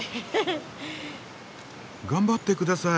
頑張ってください。